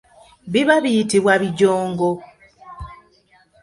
Biba biyitibwa bijongo.